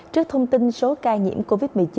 trước thông tin số ca nhiễm covid một mươi chín